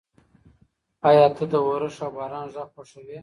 ایا ته د اورښت او باران غږ خوښوې؟